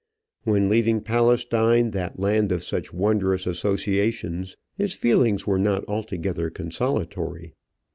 When leaving Palestine, that land of such wondrous associations, his feelings were not altogether consolatory.